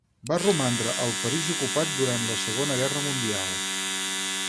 Va romandre al París ocupat durant la Segona Guerra Mundial.